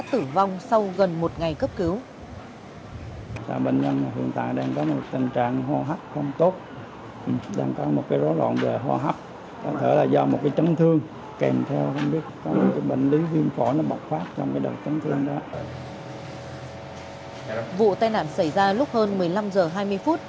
tử vong sau gần một ngày cấp cứu vụ tai nạn xảy ra lúc hơn một mươi năm h hai mươi